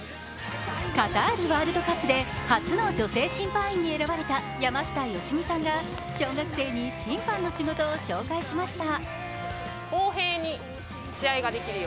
カタールワールドカップで初の女性審判員に選ばれた山下良美さんが小学生に審判の仕事を紹介しました。